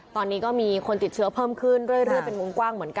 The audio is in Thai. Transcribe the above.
ตอนนี้ก็มีคนติดเชื้อเพิ่มขึ้นเรื่อยเป็นวงกว้างเหมือนกัน